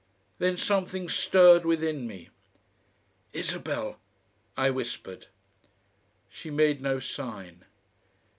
Then something stirred within me. "ISABEL!" I whispered. She made no sign.